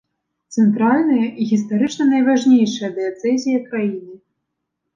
Цэнтральная і гістарычна найважнейшая дыяцэзія краіны.